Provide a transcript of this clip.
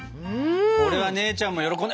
これは姉ちゃんも喜んで。